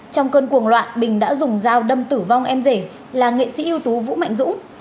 trong cơn cuồng loạn bình đã dùng dao đâm tử vong em rể là nghệ sĩ ưu tú vũ mạnh dũng